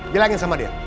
bilangin sama dia